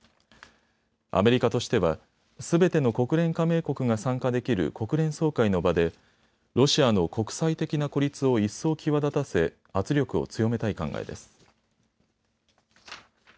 アメリカとしてはすべての国連加盟国が参加できる国連総会の場でロシアの国際的な孤立を一層際立たせ圧力を強めたい考えです。